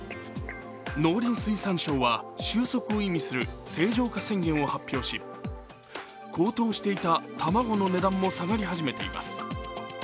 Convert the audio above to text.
農林水産省は収束を意味する清浄化宣言を発表し高騰していた卵の値段も下がり始めています。